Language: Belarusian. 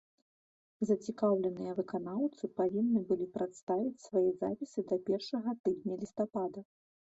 Зацікаўленыя выканаўцы павінны былі прадставіць свае запісы да першага тыдня лістапада.